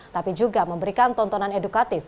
tapi juga memberikan tontonan edukatif